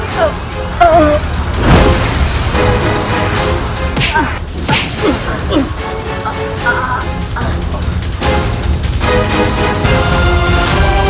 biar aku yang merawatnya